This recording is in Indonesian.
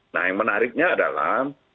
nah yang menariknya adalah